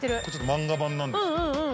これ漫画版なんですけど。